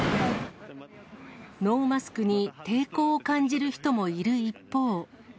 ノーマスクに抵抗を感じる人もいる一方。